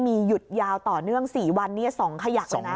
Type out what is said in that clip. มีหยุดยาวต่อเนื่อง๔วัน๒ขยักเลยนะ